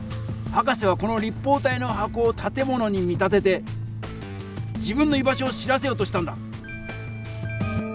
博士はこの立方体のはこをたてものに見立てて自分の居場所を知らせようとしたんだ。